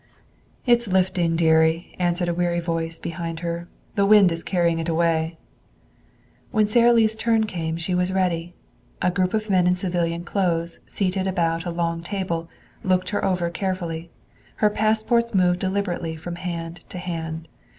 "It's lifting, dearie," answered a weary voice behind her. "The wind is carrying it away." When Sara Lee's turn came she was ready. A group of men in civilian clothes, seated about a long table, looked her over carefully. Her passports moved deliberately from hand to hand.